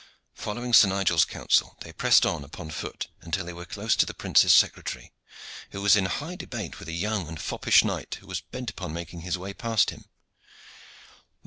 Following Sir Nigel's counsel, they pressed on upon foot until they were close to the prince's secretary, who was in high debate with a young and foppish knight, who was bent upon making his way past him.